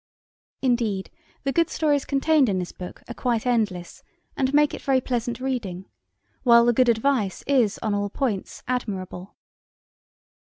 Indeed, the good stories contained in this book are quite endless and make it very pleasant reading, while the good advice is on all points admirable.